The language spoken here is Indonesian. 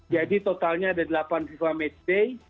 jadi totalnya ada delapan fifa matchday